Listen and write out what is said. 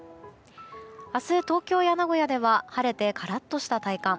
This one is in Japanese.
明日、東京や名古屋では晴れてカラッとした体感。